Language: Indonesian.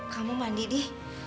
kamu mandi di